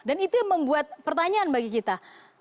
dan itu yang membuat pertanyaan bagi kita